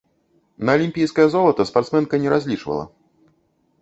На алімпійскае золата спартсменка не разлічвала.